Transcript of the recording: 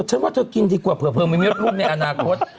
เพราะว่าเธอกินดีกว่าเผื่อมีเรื่องรูปในอนาคต